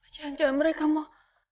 jangan jangan mereka mau